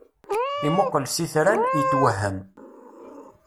Imuqel s itran, yetwehhem.